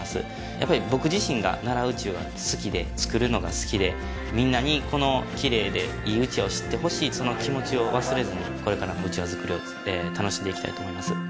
やっぱり僕自身が奈良団扇好きで作るのが好きでみんなにこの綺麗で良い団扇を知ってほしいその気持ちを忘れずにこれからも団扇作りを楽しんでいきたいと思います